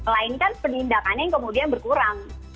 lain kan penindakannya yang kemudian berkurang